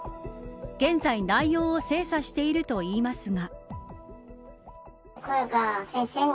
現在、内容を精査しているといいますが。